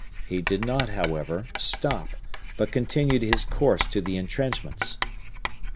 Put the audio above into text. He did not, however, stop, but continued his course to the intrenchments. As M.